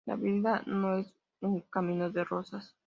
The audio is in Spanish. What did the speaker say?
La vida no es un camino de rosas